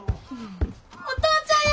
お父ちゃんや！